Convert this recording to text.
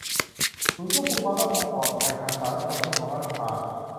ศูนย์ควบคุมความมั่นคงปลอดภัยทางสารสนเทศของรัฐสภา